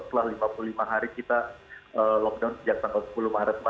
setelah lima puluh lima hari kita lockdown sejak tanggal sepuluh maret